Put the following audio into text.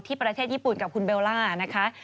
ประเทศญี่ปุ่นกับคุณเบลล่านะคะ